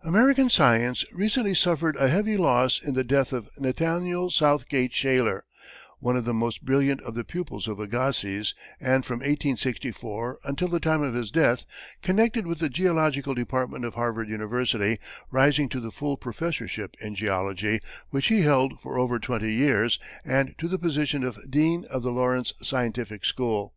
American science recently suffered a heavy loss in the death of Nathaniel Southgate Shaler, one of the most brilliant of the pupils of Agassiz, and from 1864 until the time of his death, connected with the geological department of Harvard University, rising to the full professorship in geology, which he held for over twenty years, and to the position of dean of the Lawrence Scientific School.